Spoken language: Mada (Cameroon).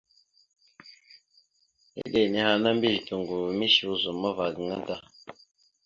Eɗe nehe ana mbiyez toŋgov mishe ozum ava gaŋa da.